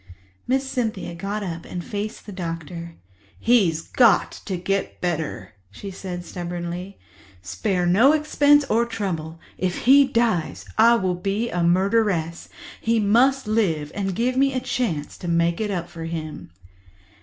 Miss Cynthia got up and faced the doctor. "He's got to get better," she said stubbornly. "Spare no expense or trouble. If he dies, I will be a murderess. He must live and give me a chance to make it up for him."